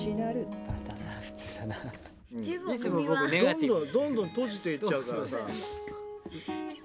・どんどんどんどん閉じていっちゃうからさ。